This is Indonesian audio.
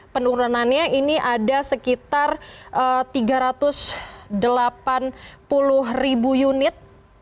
penurunannya ini ada sekitar tiga ratus delapan puluh ribu unit